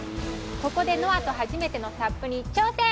ここで、ノアと初めてのＳＵＰに挑戦！